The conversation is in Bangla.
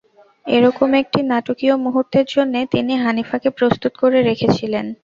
এরকম একটি নাটকীয় মুহূর্তের জন্যে তিনি হানিফাকে প্রস্তুত করে রেখেছিলেন।